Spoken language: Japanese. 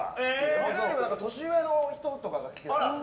僕よりも年上の人とかが好きです。